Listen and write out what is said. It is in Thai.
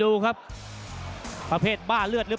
ฝ่ายทั้งเมืองนี้มันตีโต้หรืออีโต้